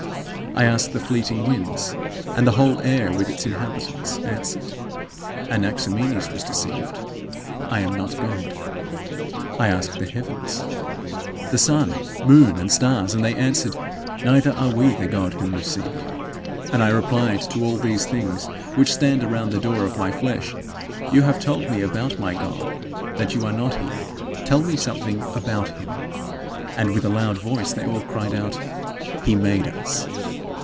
I asked the fleeting winds, and the whole air with its inhabitants answered, "Anaximenes was deceived; I am not God." I asked the heavens, the sun, moon, and stars; and they answered, "Neither are we the God whom you seek." And I replied to all these things which stand around the door of my flesh: "You have told me about my God, that you are not he. Tell me something about him." And with a loud voice they all cried out, "He made us."